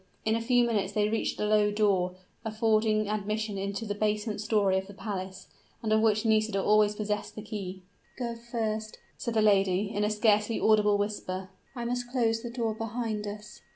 In a few minutes they reached a low door, affording admission into the basement story of the palace, and of which Nisida always possessed the key. "Go first," said the lady, in a scarcely audible whisper; "I must close the door behind us."